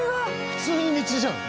普通に道じゃん。